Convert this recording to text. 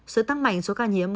sự tăng mạnh số ca nhiễm